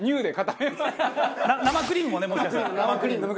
生クリームもねもしかしたら。